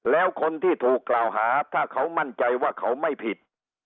แล้วคนที่ถูกกล่าวหาถ้าเขามั่นใจว่าเขาไม่ผิด